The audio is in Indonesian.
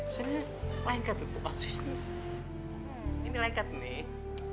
sebenernya lengket itu asisnya ini lengket nih